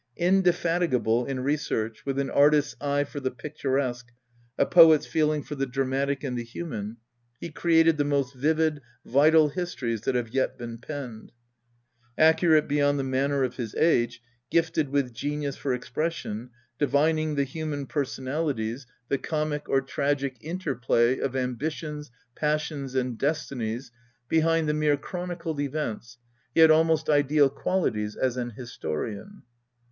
Indefatigable in re search, with an artist's eye for the picturesque, a poet's feeling for the dramatic and the human, he created the most vivid, vital histories that have yet been penned. Ac curate beyond the manner of his age, gifted with genius for expression, divining the human personalities, the comic INTRODUCTION xii () r tragic interplay of ambitions, passions, and destinies behind the mere chronicled events, he had almost ideal qualities as an historian.